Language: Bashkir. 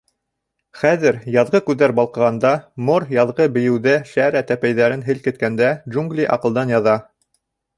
— Хәҙер, яҙғы күҙҙәр балҡығанда, Мор яҙғы бейеүҙә шәрә тәпәйҙәрен һелкеткәндә... джунгли аҡылдан яҙа.